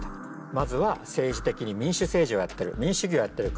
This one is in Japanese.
まずは政治的に民主政治をやってる民主主義をやってる国。